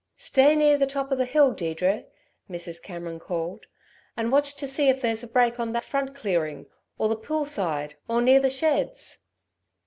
"Stay near the top of the hill, Deirdre," Mrs. Cameron called, "and watch to see if there's a break on the front clearing, or the pool side, or near the sheds!"